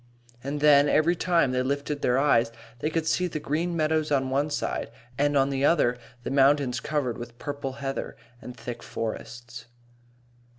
And then, every time they lifted their eyes they could see the green meadows on one side, and on the other the mountains covered with purple heather and thick forests.